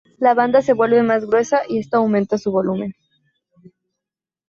La banda se vuelve más gruesa, y esto aumenta su volumen.